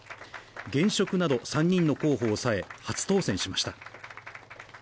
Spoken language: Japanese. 現職など３人の候補を抑え、初当選しました。